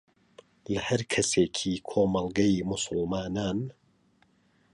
لە هەر کەسێکی کۆمەڵگەی موسڵمانان